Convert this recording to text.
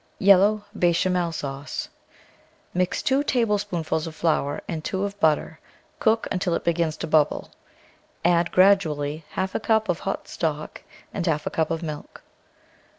YELLOW BECHAMEL SAUCE Mix two tablespoonfuls of flour and two of but ter, cook until it begins to bubble, add gradually half a cup of hot stock and half a cup of milk.